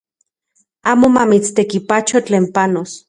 Amo mamitstekipacho tlen panos